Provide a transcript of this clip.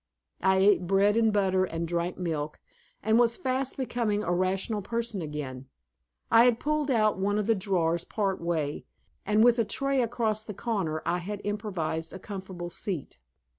I ate bread and butter and drank milk, and was fast becoming a rational person again; I had pulled out one of the drawers part way, and with a tray across the corner I had improvised a comfortable seat.